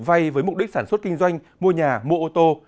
vay với mục đích sản xuất kinh doanh mua nhà mua ô tô